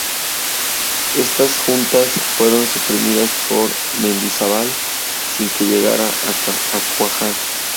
Estas juntas fueron suprimidas por Mendizábal, sin que llegaran a cuajar.